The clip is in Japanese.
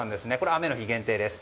雨の日限定です。